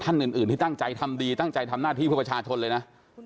ท่านอื่นที่ตั้งใจทำดีทำนาธิประชาชนเลยนะ